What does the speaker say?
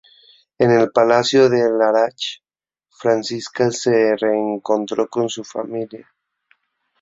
En el palacio de Larache, Francisca se reencontró con su familia.